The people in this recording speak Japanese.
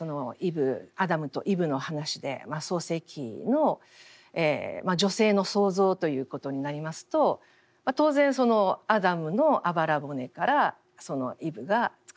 アダムとイブの話で「創世記」の女性の創造ということになりますと当然アダムのあばら骨からイブがつくられたと。